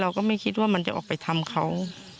ก็ไม่คิดว่ามันจะออกไปทำเขา